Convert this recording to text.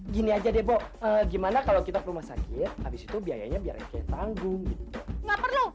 gini aja deh bu gimana kalau kita ke rumah sakit habis itu biayanya biar tanggung gitu nggak perlu